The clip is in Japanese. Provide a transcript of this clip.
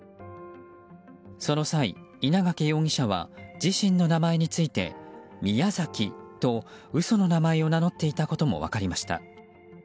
その際、稲掛容疑者は自身の名前についてミヤザキと嘘の名前を名乗っていたことも分かりました。